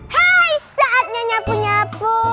hai saatnya nyapu nyapu